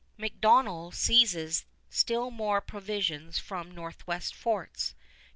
MacDonell seizes still more provisions from northwest forts.